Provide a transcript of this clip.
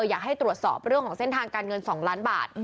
อยากให้ตรวจสอบเรื่องของเส้นทางการเงิน๒ล้านบาท